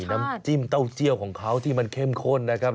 น้ำจิ้มเต้าเจียวของเขาที่มันเข้มข้นนะครับ